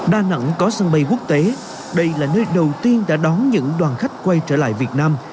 đà nẵng có sân bay quốc tế đây là nơi đầu tiên đã đón những đoàn khách quay trở lại việt nam